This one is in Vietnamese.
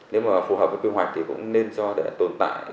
nếu mà phù hợp với kế hoạch thì cũng nên cho để tồn tại